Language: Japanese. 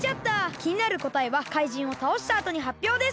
きになるこたえはかいじんをたおしたあとにはっぴょうです。